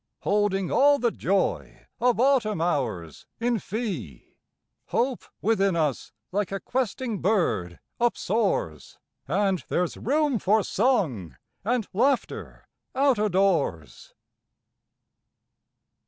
Holding all the joy of autumn hours in fee, Hope within us like a questing bird upsoars, And there's room for song and laughter out o' doors.